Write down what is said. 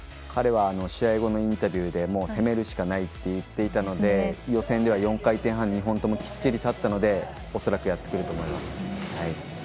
彼は試合後のインタビューで攻めるしかないと言っていたので予選では４回転半、２本ともきっちり立ったので恐らく、やってくると思います。